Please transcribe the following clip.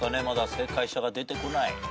まだ正解者が出てこない。